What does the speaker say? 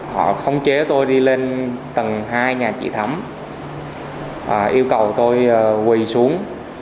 họ khống chế tôi đi lên tầng hai nhà chị thắm yêu cầu tôi quỳ xuống